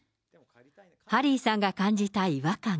ハリーさんが感じた違和感。